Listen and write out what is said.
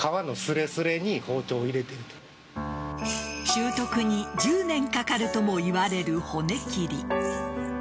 習得に１０年かかるともいわれる骨切り。